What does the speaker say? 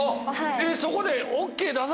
そこでＯＫ出さ